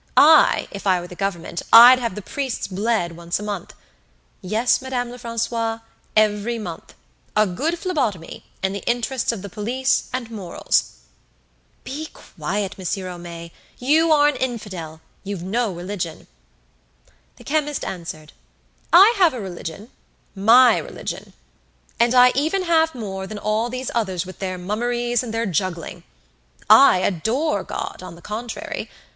I, if I were the Government, I'd have the priests bled once a month. Yes, Madame Lefrancois, every month a good phlebotomy, in the interests of the police and morals." "Be quiet, Monsieur Homais. You are an infidel; you've no religion." The chemist answered: "I have a religion, my religion, and I even have more than all these others with their mummeries and their juggling. I adore God, on the contrary.